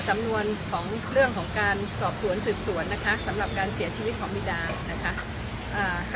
สำนวนของเรื่องของการสอบสวนสืบสวนนะคะสำหรับการเสียชีวิตของบิดานะคะอ่า